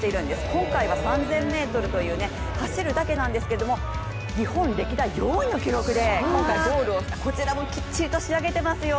今回は３０００ｍという走るだけなんですけれども、日本歴代４位の記録で今回ゴールをこちらもきっちりと仕上げていますよ。